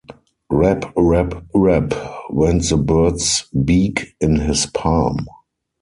“Rap, rap, rap!” went the bird’s beak in his palm.